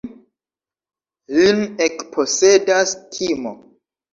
Lin ekposedas timo.